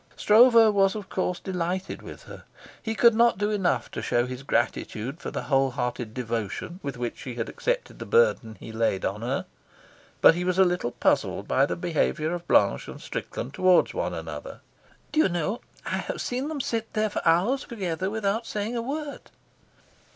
Stroeve was, of course, delighted with her. He could not do enough to show his gratitude for the whole hearted devotion with which she had accepted the burden he laid on her. But he was a little puzzled by the behaviour of Blanche and Strickland towards one another. "Do you know, I've seen them sit there for hours together without saying a word?"